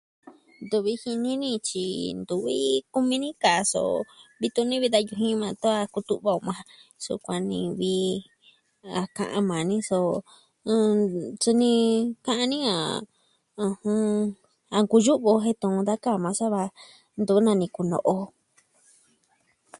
Ntu vi jini ni tyi ntuvi... kumi ni kaa so, vi tuni ve da yu ji maa tan kutu'va o maa ja. Sukuan ni vi, a kaa maa ni so, ah, tyine... ka'an ni a, ɨjɨn... a nku yu'vi o jen tun da kaa ma sava ntu nani kuno'o.